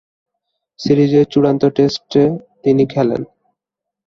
সিরিজের চূড়ান্ত টেস্টে তিনি খেলেন।